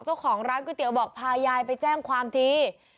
เจ้าของร้านก๋วยเตี๋ยวบอกพายายไปแจ้งความที